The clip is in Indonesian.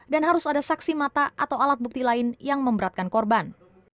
dan harus ada saksi mata atau alat bukti lain yang memberatkan korban